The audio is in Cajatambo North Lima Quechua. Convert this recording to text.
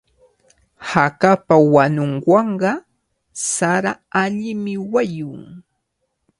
Hakapa wanunwanqa sara allimi wayun.